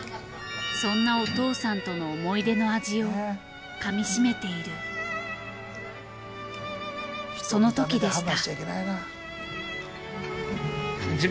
そんなお父さんとの思い出の味を噛みしめているそのときでした。